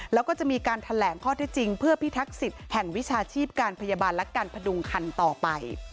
แล้วก็จะมีการแถลงข้อเท็จจริงเพื่อพิทักษิตแห่งวิชาชีพการพยาบาลและการพดุงคันต่อไป